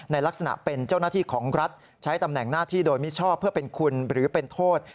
ในลักษณะเป็นเจ้าหน้าที่ของรัฐใช้ตำแหน่งหน้าที่โดยมิชอบเพื่อเป็นคุณหรือเป็นโทษ